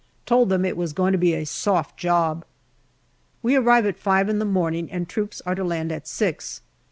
Told them it was going to be a soft job. We arrive at five in the morning, and troops are to land at six.